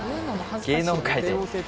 「芸能界で」